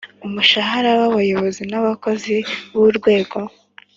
Umushahara w abayobozi n abakozi b Urwego